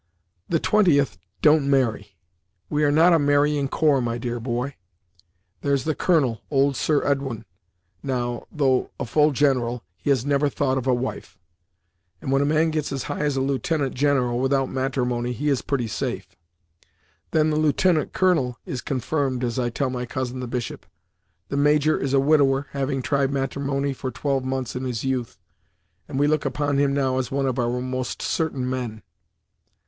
The 20th don't marry. We are not a marrying corps, my dear boy. There's the Colonel, Old Sir Edwin , now; though a full General he has never thought of a wife; and when a man gets as high as a Lieutenant General, without matrimony, he is pretty safe. Then the Lieutenant Colonel is confirmed, as I tell my cousin the bishop. The Major is a widower, having tried matrimony for twelve months in his youth, and we look upon him, now, as one of our most certain men.